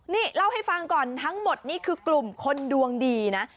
นี่เล่าให้ฟังก่อนทั้งหมดนี่คือกลุ่มคนดวงดีนะ